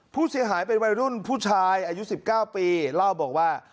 ผู้เสียหายเป็นวัยรุ่นผู้ชายอายุ๑๙ปีเล่าบอกว่า